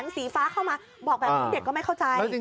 น้องกีว่า๕ขวบค่ะคุณผู้ชม